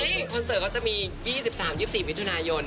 คอนเสิร์ตเขาจะมี๒๓๒๔มิถุนายน